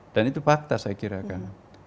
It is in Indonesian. itu fakta saya kira kan